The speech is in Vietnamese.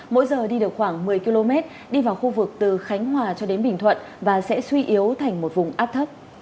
mỗi giờ đi được khoảng một mươi km đi vào khu vực từ khánh hòa cho đến bình thuận và sẽ suy yếu thành một vùng áp thấp